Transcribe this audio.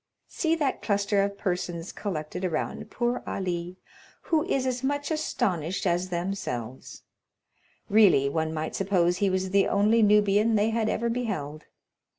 See that cluster of persons collected around poor Ali, who is as much astonished as themselves; really one might suppose he was the only Nubian they had ever beheld.